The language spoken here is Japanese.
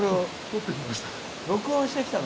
とってきました。